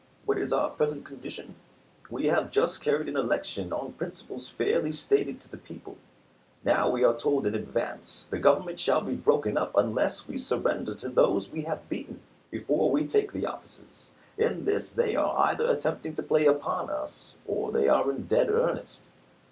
What is our present condition ? We have just carried an election on principles fairly stated to the people. Now we are told in advance the Government shall be broken up unless we surrender to those we have beaten, before we take the offices. In this they are either attempting to play upon us or they are in dead earnest.